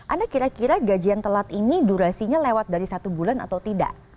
anda kira kira gajian telat ini durasinya lewat dari satu bulan atau tidak